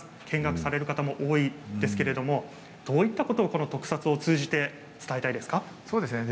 見学される方が多いですけどどういったことを特撮を通じて伝えたいですか？